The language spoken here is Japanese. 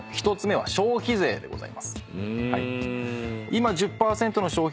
はい。